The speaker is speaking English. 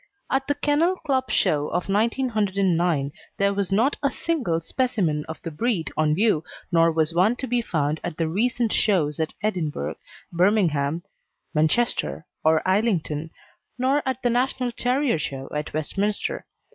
At the Kennel Club Show of 1909 there was not a single specimen of the breed on view, nor was one to be found at the recent shows at Edinburgh, Birmingham, Manchester, or Islington, nor at the National Terrier Show at Westminster.